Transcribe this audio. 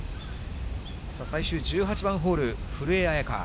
最終１８番ホール、古江彩佳。